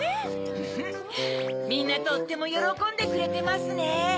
・フフっみんなとってもよろこんでくれてますね。